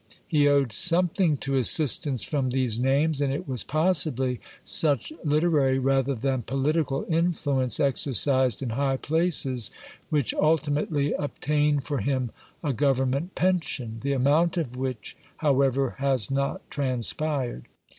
He owed something to assistance from these names, and it was possibly such literary rather than political influence exercised in high places which ultimately obtained for him a government pension, the amount of which, however, has not transpired.